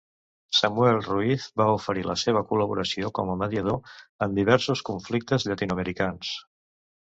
Samuel Ruiz va oferir la seva col·laboració com a mediador en diversos conflictes llatinoamericans.